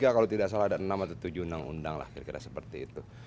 kalau tidak salah ada enam atau tujuh undang undang lah kira kira seperti itu